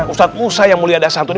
ustadz musa yang mulia dasar